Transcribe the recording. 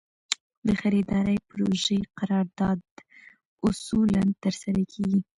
د خریدارۍ پروژې قرارداد اصولاً ترسره کړي.